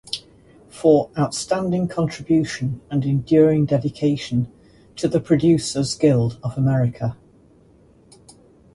For "outstanding contribution and enduring dedication to the Producers Guild of America".